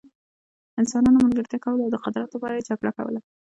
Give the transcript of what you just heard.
انسانانو ملګرتیا کوله او د قدرت لپاره یې جګړه کوله.